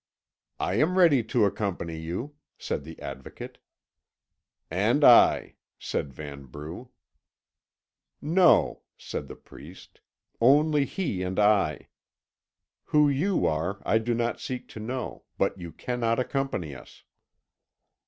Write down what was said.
"I am ready to accompany you," said the Advocate. "And I," said Vanbrugh. "No," said the priest, "only he and I. Who you are I do not seek to know, but you cannot accompany us."